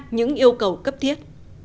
những yêu cầu cấp thiết